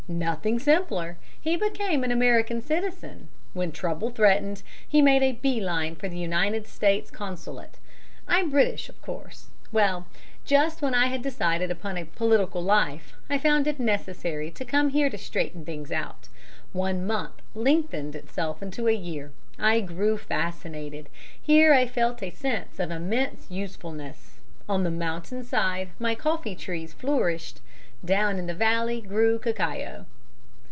"Nothing simpler. He became an American citizen. When trouble threatened he made a bee line for the United States Consulate. I'm British, of course. Well, just when I had decided upon a political life, I found it necessary to come here to straighten things out. One month lengthened itself into a year. I grew fascinated. Here I felt a sense of immense usefulness. On the mountain side my coffee trees flourished; down in the valley grew cacao."